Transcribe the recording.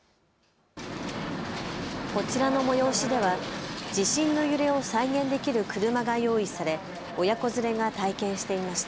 こちらの催しでは地震の揺れを再現できる車が用意され親子連れが体験していました。